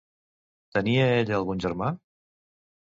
Tenia ella algun germà?